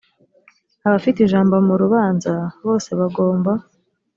abafite ijambo mu rubanza bose bagomba